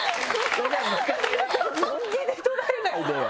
本気で捉えないでよ。